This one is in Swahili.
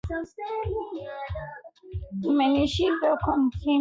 hasa China na Japani Katika vita dhidi Hispania na Meksiko